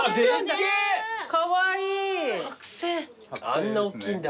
あんなおっきいんだ。